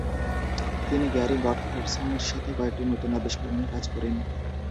তিনি গ্যারি গটফ্রেডসনের সাথে কয়েকটি নতুন আবিষ্কার নিয়ে কাজ করেন।